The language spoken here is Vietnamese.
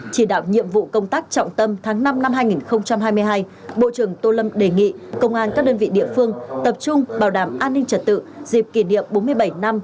chỉ đạo nhiệm vụ công tác trọng tâm tháng năm năm hai nghìn hai mươi hai bộ trưởng tô lâm đề nghị công an các đơn vị địa phương tập trung bảo đảm an ninh trật tự dịp kỷ niệm bốn mươi bảy năm